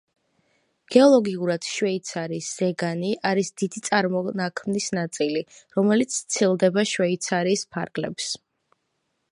გეოლოგიურად შვეიცარიის ზეგანი არის დიდი წარმონაქმნის ნაწილი, რომელიც სცილდება შვეიცარიის ფარგლებს.